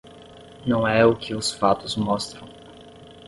Não é o que os fatos mostram